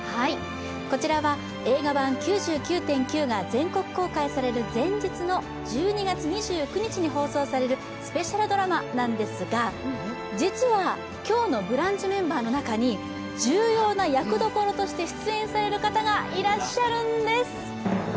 こちらは映画版「９９．９」が全国公開される前日の１２月２９日に放送されるスペシャルドラマなんですが、実は、今日の「ブランチ」メンバーの中に重要な役どころとして出演される方がいらっしゃるんです。